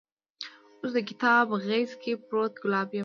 اوس دکتاب غیز کې پروت ګلاب یمه